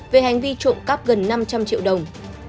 về hành vi trộm cắp gần năm trăm linh triệu đồng